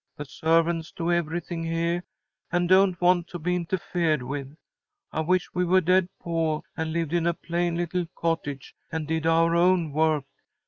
The servants do everything heah, and don't want to be interfered with. I wish we were dead poah, and lived in a plain little cottage and did our own work.